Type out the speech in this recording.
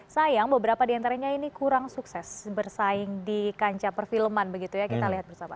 sayang beberapa di antaranya ini kurang sukses bersaing di kancah perfilman begitu ya kita lihat bersama